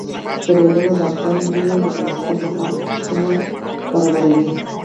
دریابونه د افغان نجونو د پرمختګ لپاره فرصتونه برابروي.